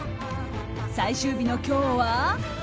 最終日の今日は。